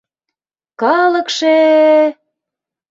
Калыкше-е!..